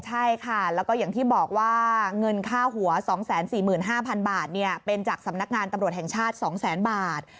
ใช่ค่ะแล้วก็อย่างที่บอกว่าเงินค่าหัว๒๔๕๐๐๐บาทเป็นจากสำนักงานตำรวจแห่งชาติ๒แสนบาท